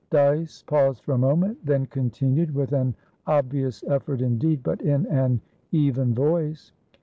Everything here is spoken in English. Dyce paused for a moment, then continued, with an obvious effort indeed, but in an even voice.